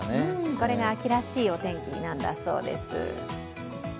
これが秋らしいお天気なんだそうです。